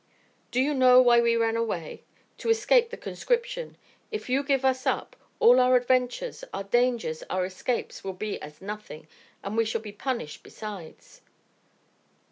"Do you know why we ran away? To escape the conscription. If you give us up, all our adventures, our dangers, our escapes, will be as nothing, and we shall be punished besides."